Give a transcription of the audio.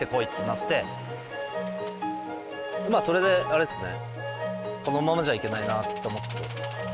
まあそれであれですね。